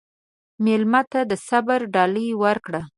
مېلمه ته د صبر ډالۍ ورکړه.